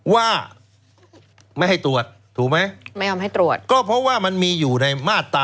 ว่าไม่ให้ตรวจถูกไหมไม่ยอมให้ตรวจก็เพราะว่ามันมีอยู่ในมาตรา